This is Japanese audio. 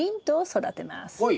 はい。